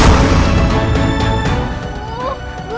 aku ingin mengikutmu